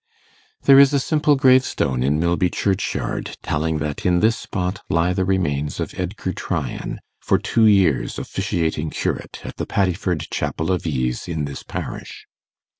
There is a simple gravestone in Milby Churchyard, telling that in this spot lie the remains of Edgar Tryan, for two years officiating curate at the Paddiford Chapel of Ease, in this parish.